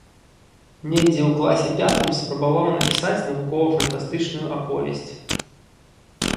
Недзе ў класе пятым спрабаваў напісаць навукова-фантастычную аповесць.